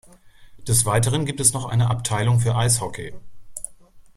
Des Weiteren gibt es noch eine Abteilung für Eishockey.